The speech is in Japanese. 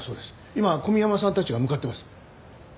今小宮山さんたちが向かっています。